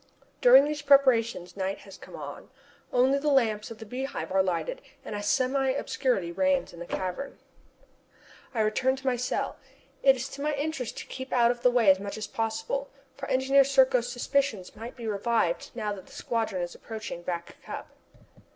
During these preparations night has come on. Only the lamps of the Beehive are lighted and a semi obscurity reigns in the cavern. I return to my cell. It is to my interest to keep out of the way as much as possible, for Engineer Serko's suspicions might be revived now that the squadron is approaching Back Cup.